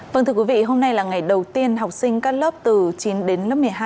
vâng thưa quý vị hôm nay là ngày đầu tiên học sinh các lớp từ chín đến lớp một mươi hai